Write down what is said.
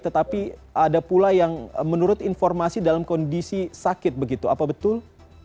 tetapi ada pula yang menurut informasi dalam kondisi sakit begitu apa betul